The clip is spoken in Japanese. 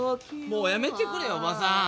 もうやめてくれよ叔母さん。